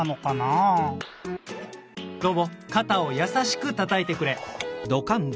かたをやさしくたたいてくれ」。